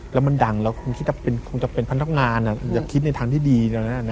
แล้วมันดังแล้วคงจะเป็นพนักงานอย่าคิดในทางที่ดี